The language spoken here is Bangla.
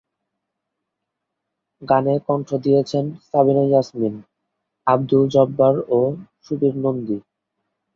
গানে কণ্ঠ দিয়েছেন সাবিনা ইয়াসমিন, আব্দুল জব্বার ও সুবীর নন্দী।